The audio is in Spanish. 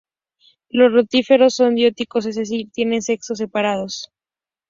Los rotíferos son dioicos, es decir, tienen sexos separados.